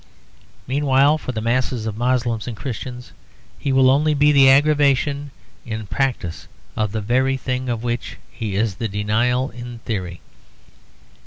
Meanwhile, for the masses of Moslems and Christians, he will only be the aggravation in practice of the very thing of which he is the denial in theory.